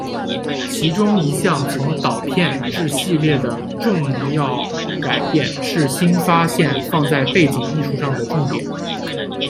其中一项从导片至系列的重要改变是新发现放在背景艺术上的重点。